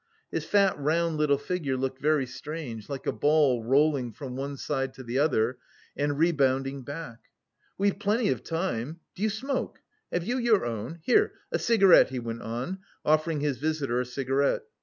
His fat round little figure looked very strange, like a ball rolling from one side to the other and rebounding back. "We've plenty of time. Do you smoke? have you your own? Here, a cigarette!" he went on, offering his visitor a cigarette.